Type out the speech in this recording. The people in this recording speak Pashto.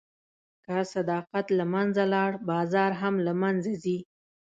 که صداقت له منځه لاړ، بازار هم له منځه ځي.